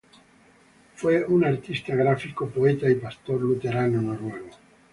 Fue un artista gráfico, poeta y pastor luterano noruego.